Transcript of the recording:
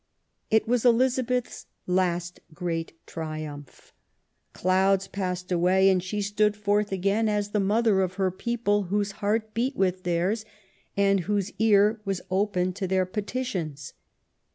It was Elizabeth's last great triumph. Clouds passed away, and she stood forth again as the mother of her people, whose heart beat with theirs, and whose ear was open to their petitions.